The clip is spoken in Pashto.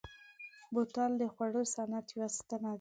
بوتل د خوړو صنعت یوه ستنه ده.